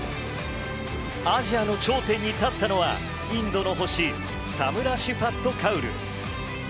アジアの頂点に立ったのは、インドの星サムラ・シファット・カウル。